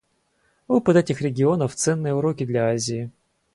Опыт этих регионов — ценные уроки для Азии.